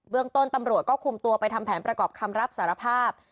เรื่องต้นตำรวจก็คุมตัวไปทำแผนประกอบคำรับสารภาพ